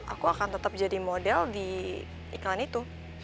aku akan tetap jadi model di iklan itu